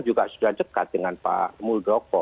juga sudah dekat dengan pak muldoko